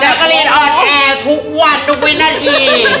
แล้วก็เรียนออนแอร์ทุกวันทุกวินาที